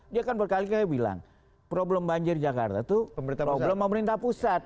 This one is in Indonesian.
dia kan berkali kali bilang problem banjir jakarta itu problem pemerintah pusat